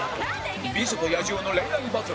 美女と野獣の恋愛バトル